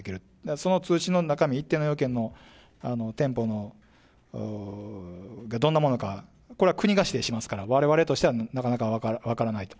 その通知の中身、一定の要件も、店舗がどんなものか、これは国が指定しますから、われわれとしてはなかなか分からないと。